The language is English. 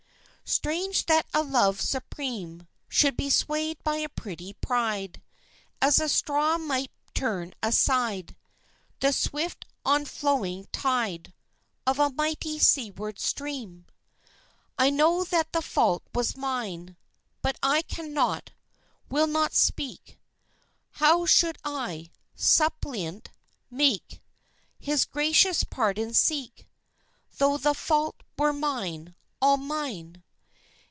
Strange that a love supreme Should be swayed by a petty pride, As a straw might turn aside The swift onflowing tide Of a mighty seaward stream! I know that the fault was mine, But I cannot, will not speak; How should I, suppliant, meek, His gracious pardon seek Tho' the fault were mine all mine?